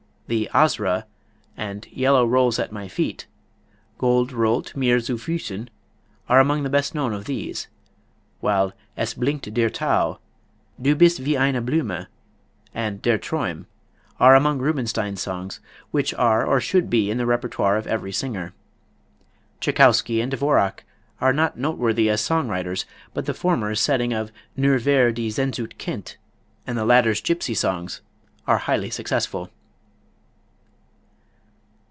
The "Asra," and "Yellow Rolls at my Feet," (Gold Rollt mir zu Füssen) are among the best known of these; while "Es blink't der Thau," "Du Bist wie eine Blume," and "Der Traum" are among Rubinstein's songs which are or should be in the repertoire of every singer. Tschaikowsky and Dvorak are not noteworthy as song writers, but the former's setting of "Nur wer die Sehnsucht kennt" and the latter's "Gypsy Songs" are highly successful.